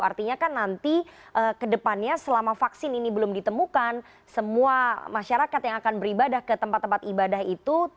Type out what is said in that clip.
artinya kan nanti kedepannya selama vaksin ini belum ditemukan semua masyarakat yang akan beribadah ke tempat tempat ibadah itu